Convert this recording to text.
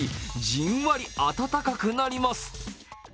じんわり温かくなります。